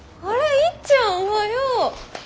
あれいっちゃんおはよう。